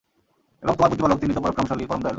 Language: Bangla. এবং তোমার প্রতিপালক, তিনি তো পরাক্রমশালী, পরম দয়ালু।